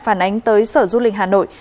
phản ánh tới sở du lịch hà nội